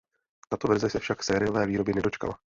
Tato verze se však sériové výroby nedočkala.